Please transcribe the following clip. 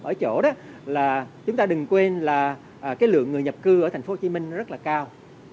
ở chỗ đó là chúng ta đừng quên là cái lượng người nhập cư ở tp hcm rất là cao